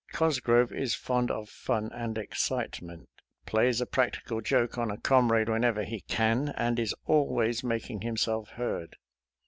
Cosgrove is fond of fun and excitement, plays a practical joke on a comrade whenever he can, and is always making himself heard.